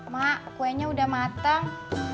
mak kuenya udah matang